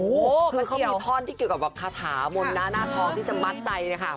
โอ้วมันเขามีทอนที่เกี่ยวกับคาถามนหน้าทองที่จะมัดใจนะคะ